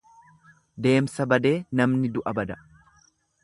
Deemsa badee namni du'a bada.